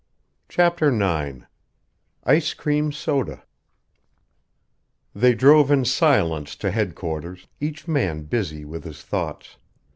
CHAPTER IX ICE CREAM SODA They drove in silence to headquarters, each man busy with his thoughts.